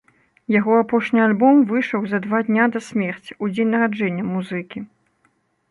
Яго апошні альбом выйшаў за два дня да смерці, у дзень нараджэння музыкі.